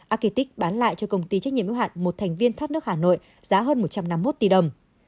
akitic bán lại cho công ty trách nhiệm yếu hạn một thành viên thoát nước hà nội giá hơn một trăm năm mươi một tỷ đồng